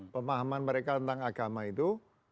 pemahaman mereka tentang agama itu